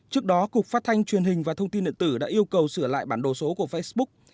trước đó cục phát thanh truyền hình và thông tin điện tử đã yêu cầu sửa lại bản đồ số của facebook